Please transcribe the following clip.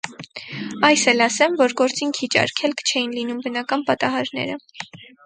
Այս էլ ասեմ, որ գործին քիչ արգելք չէին լինում բնական պատահարները.